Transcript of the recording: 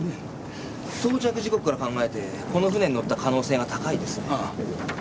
到着時刻から考えてこの船に乗った可能性が高いですね。